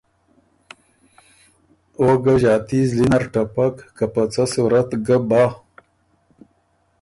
او ګۀ ݫاتی زلی نر ټپک، که په څۀ صورت ګۀ بۀ۔